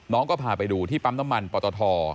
น้องก็พาไปดูที่ปั๊มน้ำมันปตท